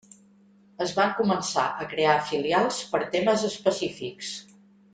Es van començar a crear filials per temes específics.